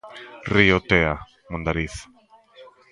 Río Tea, Mondariz.